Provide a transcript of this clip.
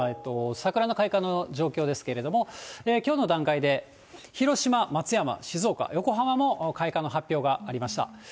桜の開花の状況ですけれども、きょうの段階で、広島、松山、静岡、横浜も開花の発表がありました。